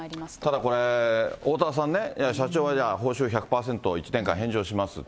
ただこれ、おおたわさんね、社長がじゃあ報酬１００％１年間返上します。